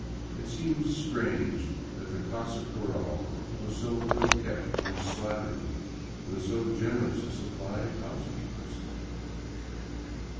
It seemed strange that the casa cural was so ill kept and slatternly with so generous a supply of house keepers.